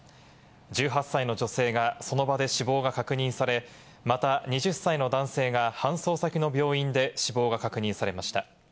１８歳の女性がその場で死亡が確認され、また２０歳の男性が搬送先の病院で死亡が確認されました。